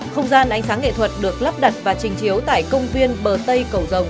không gian ánh sáng nghệ thuật được lắp đặt và trình chiếu tại công viên bờ tây cầu rồng